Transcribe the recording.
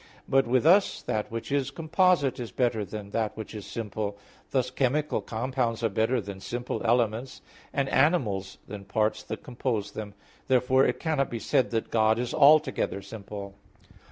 But with us that which is composite is better than that which is simple; thus, chemical compounds are better than simple elements, and animals than the parts that compose them. Therefore it cannot be said that God is altogether simple.